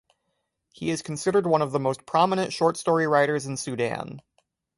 He is considered one of the most prominent short story writer in Sudan.